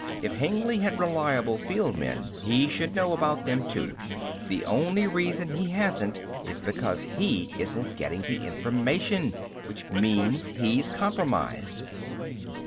If Hengly had reliable field men, he should know about them, too. The only reason he hasn't is because he isn't getting the information. Which means he's compromised."